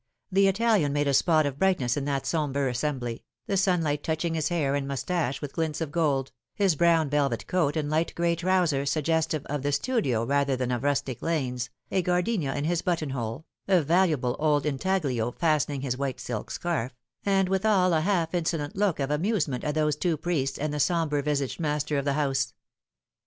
The Italian made a spot of brightness in that sombre assembly, the sunlight touching his hair and moustache with glints of gold, his brown velvet coat and light gray trousers suggestive of the studio rather than of rustic lanes, a gardenia in his button hole, a valuable old intaglio fastening his white silk scarf , and withal a half insolent look of Amusement at those two priests and the sombre visaged master 114 The Fatal Three. of toe house.